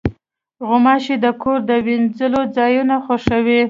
غوماشې د کور د وینځلو ځایونه خوښوي.